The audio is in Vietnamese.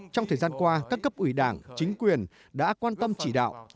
trong thời gian qua các cấp ủy đảng chính quyền đã quan tâm chỉ đạo